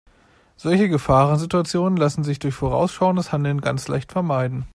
Solche Gefahrensituationen lassen sich durch vorausschauendes Handeln ganz leicht vermeiden.